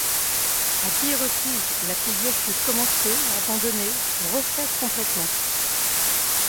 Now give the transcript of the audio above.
À dix reprises, la figure fut commencée, abandonnée, refaite complètement.